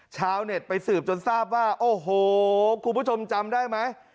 ชาวเน็ตไปสืบจนทราบว่าโอ้โหคุณผู้ชมจำได้ไหม